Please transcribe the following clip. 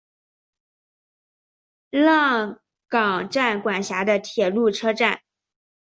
浪冈站管辖的铁路车站。